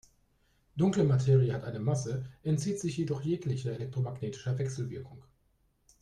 Dunkle Materie hat eine Masse, entzieht sich jedoch jeglicher elektromagnetischer Wechselwirkung.